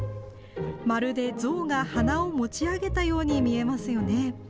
まるで象が鼻を持ち上げたように見えますよね。